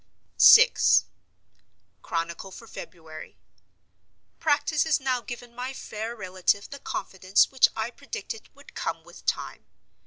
VI. Chronicle for February. Practice has now given my fair relative the confidence which I predicted would come with time.